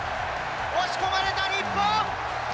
押し込まれた日本。